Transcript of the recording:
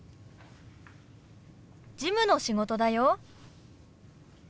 事務の仕事だよ。